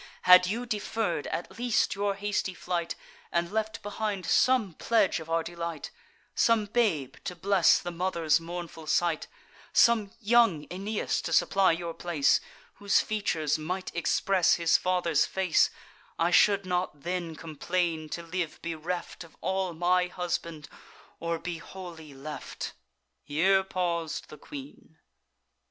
Had you deferr'd, at least, your hasty flight, And left behind some pledge of our delight, Some babe to bless the mother's mournful sight, Some young Aeneas, to supply your place, Whose features might express his father's face; I should not then complain to live bereft Of all my husband, or be wholly left." Here paus'd the queen.